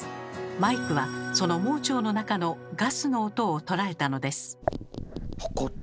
マイクはその盲腸の中のガスの音を捉えたのです。